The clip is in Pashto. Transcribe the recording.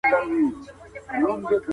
صدقه د مال برکت دی.